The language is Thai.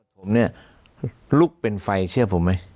ผมเนี่ยลุกเป็นไฟเชื่อผมไหม